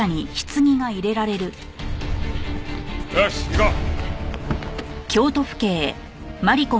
よし行こう。